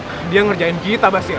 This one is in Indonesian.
dia ngerjain kita basir